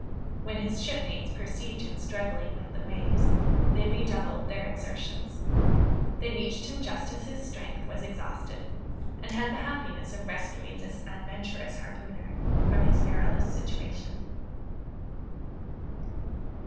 When his shipmates perceived him struggling with the waves, they redoubled their exertions. They reached him just as his strength was exhausted, and had the happiness of rescuing this adventurous harpooner from his perilous situation.